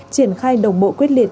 triển khai đồng bộ quyết liệt